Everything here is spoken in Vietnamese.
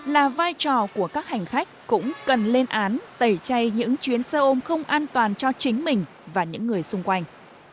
là vai trò của các hành khách cũng cần lên án tẩy chay những chuyến xe ôm không an toàn cho chính mình và những người xung quanh